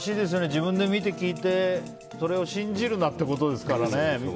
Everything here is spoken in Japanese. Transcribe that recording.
自分で見て聞いてそれを信じるなってことですから。